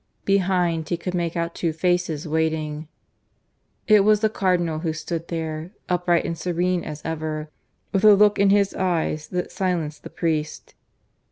Behind he could make out two faces waiting. ... It was the Cardinal who stood there, upright and serene as ever, with a look in his eyes that silenced the priest.